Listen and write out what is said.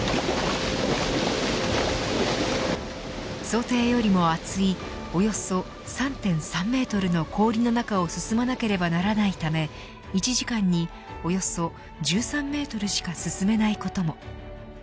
想定よりも厚いおよそ３．３メートルの氷の中を進まなければならないため１時間におよそ１３メートルしか進めないことも。